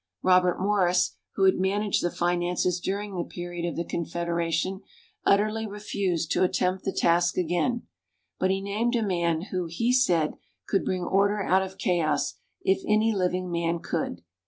Robert Morris, who had managed the finances during the period of the Confederation, utterly refused to attempt the task again, but he named a man who, he said, could bring order out of chaos, if any living man could.